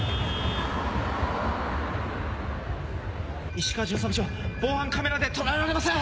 石川巡査部長防犯カメラで捉えられません！